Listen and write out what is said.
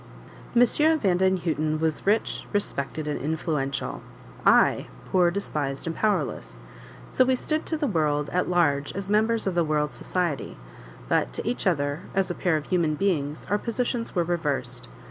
M. Vandenhuten was rich, respected, and influential; I, poor, despised and powerless; so we stood to the world at large as members of the world's society; but to each other, as a pair of human beings, our positions were reversed.